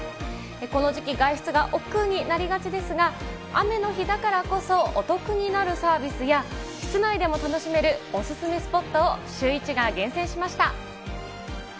この時期、外出がおっくうになりがちですが、雨の日だからこそ、お得になるサービスや、室内でも楽しめるお勧めスポットをシューイチが厳選しました。